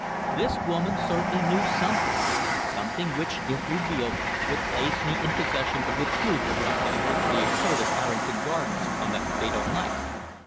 This woman certainly knew something something which, if revealed, would place me in possession of the truth of what had actually occurred at Harrington Gardens on that fatal night.